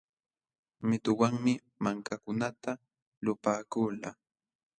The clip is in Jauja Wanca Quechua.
Mituwanmi mankakunata lupaakulqa.